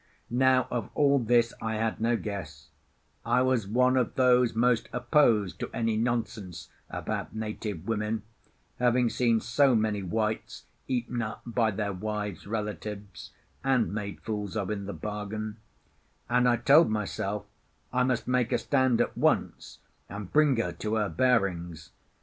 Now, of all this I had no guess; I was one of those most opposed to any nonsense about native women, having seen so many whites eaten up by their wives' relatives, and made fools of in the bargain; and I told myself I must make a stand at once, and bring her to her bearings.